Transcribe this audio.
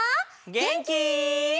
げんき？